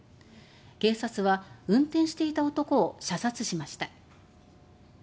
警察は、運転していた男を射殺しました。